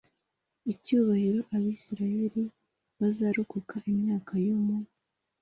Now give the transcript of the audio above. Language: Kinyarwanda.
icyubahiro Abisirayeli bazarokoka imyaka yo mu